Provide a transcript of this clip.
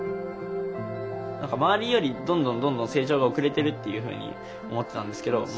何か周りよりどんどんどんどん成長が遅れてるっていうふうに思ってたんですけど